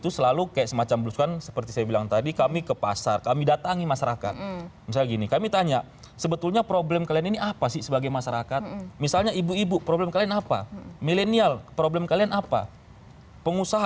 terima kasih terima kasih terima kasih